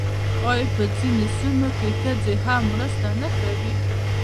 آیا په ځینو سیمو کې ښځې هم مرسته نه کوي؟